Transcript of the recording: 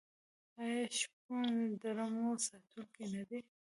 آیا شپون د رمو ساتونکی نه دی؟